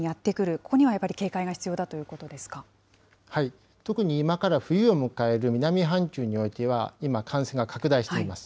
ここにはやっぱり警特に今から冬を迎える南半球においては、今、感染が拡大しています。